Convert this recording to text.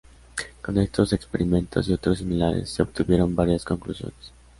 Con estos experimentos, y otros similares, se obtuvieron varias conclusiones.